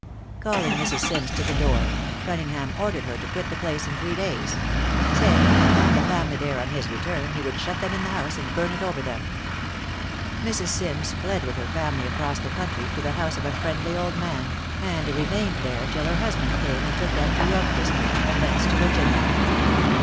Calling Mrs. Sims to the door, Cunningham ordered her to quit the place in three days; saying if he found the family there on his return, he would shut them in the house and burn it over them. Mrs. Sims fled with her family across the country to the house of a friendly old man; and remained there till her husband came and took them to York District, and thence to Virginia.